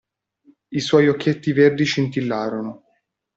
I suoi occhietti verdi scintillarono.